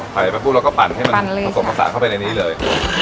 อ๋อไข่แป๊บปูเราก็ปั่นให้มันผสมผสาเข้าไปในนี้เลย